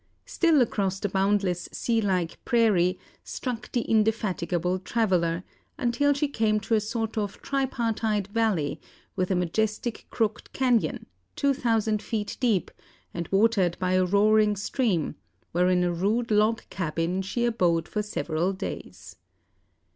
Still across the boundless sea like prairie struck the indefatigable traveller, until she came to a sort of tripartite valley, with a majestic crooked cañon, 2,000 feet deep, and watered by a roaring stream, where in a rude log cabin she abode for several days.